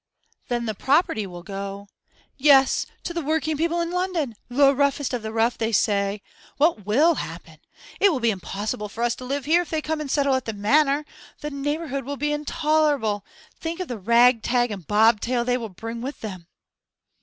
'Then the property will go ' 'Yes, to the working people in London; the roughest of the rough, they say! What will happen? It will be impossible for us to live here if they come and settle at the Manor. The neighbourhood will be intolerable. Think of the rag tag and bobtail they will bring with them!